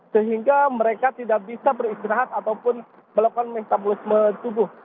sehingga mereka tidak bisa beristirahat ataupun melakukan metabolisme tubuh